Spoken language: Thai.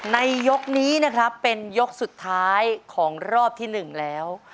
ยกนี้นะครับเป็นยกสุดท้ายของรอบที่๑แล้ว